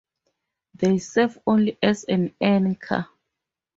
They serve only as an anchor.